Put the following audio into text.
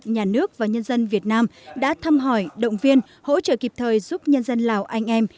nhà nước và nhân dân việt nam đã thăm hỏi động viên hỗ trợ kịp thời giúp nhân dân lào anh em